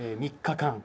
３日間。